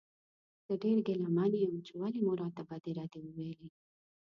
زه ډېر ګیله من یم چې ولې مو راته بدې ردې وویلې.